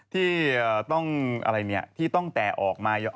ที่ต้องอะไรเนี่ยที่ตั้งแต่ออกมา